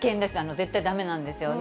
絶対だめなんですよね。